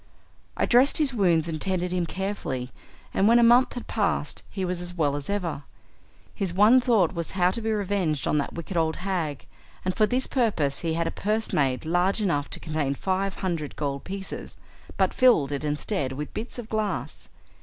I dressed his wounds and tended him carefully, and when a month had passed he was as well as ever. His one thought was how to be revenged on that wicked old hag, and for this purpose he had a purse made large enough to contain five hundred gold pieces, but filled it instead with bits of glass.